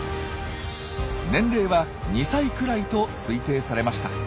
年齢は２歳くらいと推定されました。